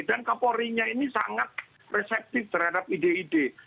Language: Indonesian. dan kapolri nya ini sangat reseptif terhadap ide ide